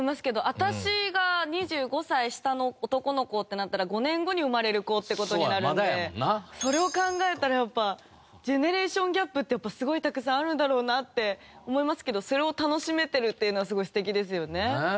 私が２５歳下の男の子ってなったら５年後に生まれる子って事になるんでそれを考えたらやっぱジェネレーションギャップってすごいたくさんあるんだろうなって思いますけどそれを楽しめてるっていうのはすごい素敵ですよね。